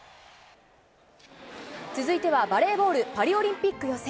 続いてはバレーボールパリオリンピック予選。